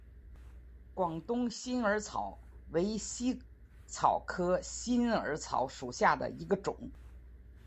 广东新耳草为茜草科新耳草属下的一个种。